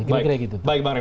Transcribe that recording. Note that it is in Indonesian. baik baik banget